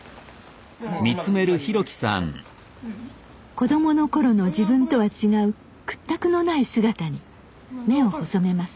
子どもの頃の自分とは違う屈託のない姿に目を細めます。